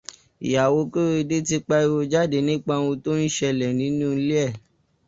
Ìyàwó Kóredé ti pariwo jáde nípa oun tó ń ṣẹlẹ̀ nínú ilé ẹ̀